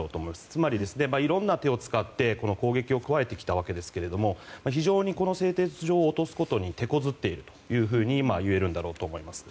つまり、いろんな手を使って攻撃を加えてきたわけですが非常にこの製鉄所を落とすことに手こずっているといえるんだろうと思います。